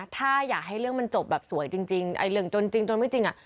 ถ้าอยากให้เรื่องมันจบแบบสวยจริงจนจริงจนไม่จริง